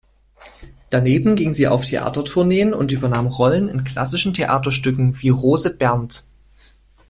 Daneben ging sie auf Theatertourneen und übernahm Rollen in klassischen Theaterstücken wie "Rose Bernd".